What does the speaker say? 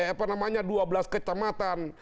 apa namanya dua belas kecamatan